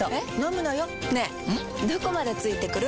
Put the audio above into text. どこまで付いてくる？